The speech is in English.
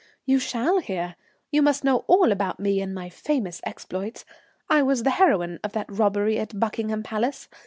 "You shall hear, you must know all about me and my famous exploits. I was the heroine of that robbery at Buckingham Palace.